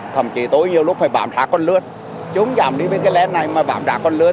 thậm chí tôi nhiều lúc phải bạm rã con lướt chúng dạm đi với cái len này mà bạm rã con lướt